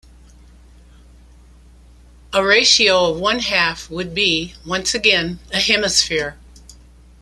A ratio of one half would be, once again, a hemisphere.